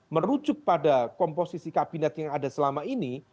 merujuk pada komposisi kabinet yang ada selama ini